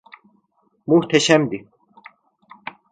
Muhteşemdi.